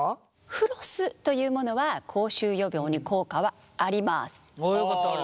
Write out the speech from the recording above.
フロスというものは口臭予防に効果はあります。